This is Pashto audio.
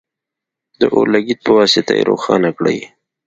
د اور لګیت په واسطه یې روښانه کړئ.